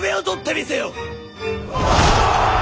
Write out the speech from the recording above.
お！